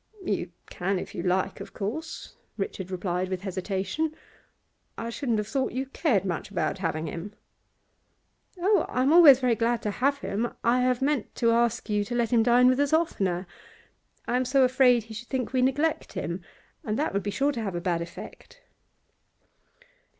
'You can if you like, of course,' Richard replied with hesitation. 'I shouldn't have thought you cared much about having him.' 'Oh, I am always very glad to have him. I have meant to ask you to let him dine with us oftener. I am so afraid he should think we neglect him, and that would be sure to have a bad effect.